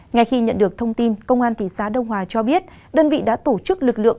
ngay khi nhận được thông tin công an thị xã đông hòa cho biết đơn vị đã tổ chức lực lượng